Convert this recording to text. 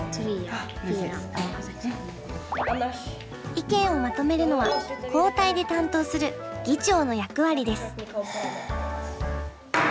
意見をまとめるのは交代で担当する議長の役割です。